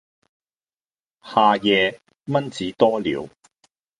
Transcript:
夏夜，蚊子多了，